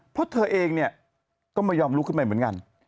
เพราะเธอเองเนี่ยก็ไม่ยอมลุกขึ้นไปเหมือนกัน